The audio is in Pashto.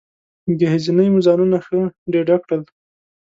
ګهیځنۍ مو ځانونه ښه ډېډه کړل.